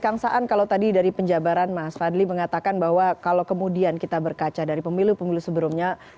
kang saan kalau tadi dari penjabaran mas fadli mengatakan bahwa kalau kemudian kita berkaca dari pemilu pemilu sebelumnya